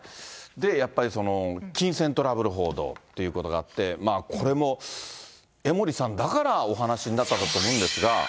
で、やっぱり金銭トラブル報道ということがあって、これも江森さんだからお話になったんだと思いますが。